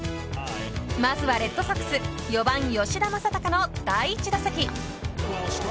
まずはレッドソックス４番、吉田正尚の第１打席。